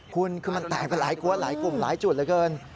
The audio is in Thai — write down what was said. คุณคือมันแตกไปหลายกวนหลายกลุ่มหลายจุดเหลือเกิน